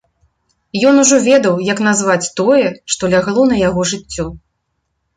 Ён ужо ведаў, як назваць тое, што лягло на яго жыццё.